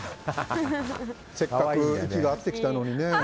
せっかく息が合ってきたのにね。